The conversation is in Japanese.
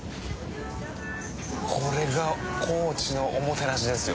これが高知のおもてなしですよ。